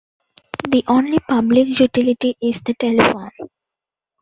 The only public utility is the telephone.